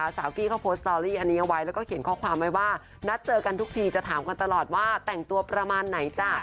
กี้เขาโพสต์สตอรี่อันนี้เอาไว้แล้วก็เขียนข้อความไว้ว่านัดเจอกันทุกทีจะถามกันตลอดว่าแต่งตัวประมาณไหนจ้ะ